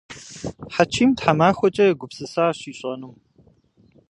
Хьэчим тхьэмахуэкӏэ егупсысащ ищӏэнум.